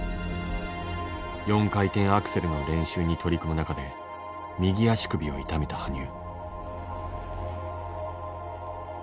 ４回転アクセルの練習に取り組む中で右足首を痛めた羽生。